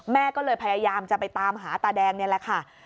แม่ก็เลยพยายามจะไปตามหาตาแดงนี่แหละค่ะ